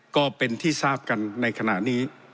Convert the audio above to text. ก็เป็นที่ทราบกันในขณะนี้